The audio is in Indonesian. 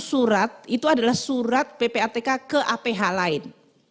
surat itu adalah surat ppatk ke aph lain